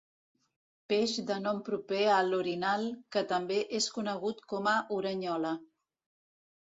Peix de nom proper a l'orinal que també és conegut com a orenyola.